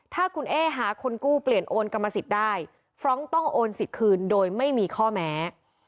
ถ้าคุณเอ๊หาคนกู้เปลี่ยนโอนกรรมสิทธิ์ได้ฟรองก์ต้องโอนสิทธิ์คืนโดยไม่มีข้อแม้